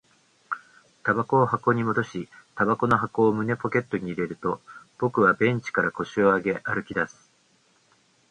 煙草を箱に戻し、煙草の箱を胸ポケットに入れると、僕はベンチから腰を上げ、歩き出す